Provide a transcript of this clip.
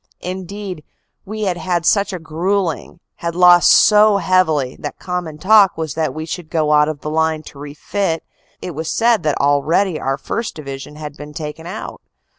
Indeed, we had had such a gruelling, had lost so heavily, that common talk was that we should go out of the line to refit it was said that already our 1st. Division had been taken out.